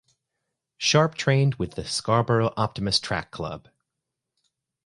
Sharpe trained with the Scarborough Optimist Track Club.